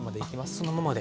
そのままで。